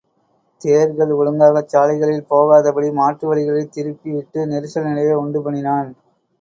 தேர்கள் ஒழுங்காகச் சாலைகளில் போகாதபடி மாற்று வழிகளில் திருப்பி விட்டு நெரிசல் நிலையை உண்டு பண்ணினான்.